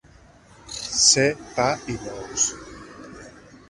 Ser pa i nous.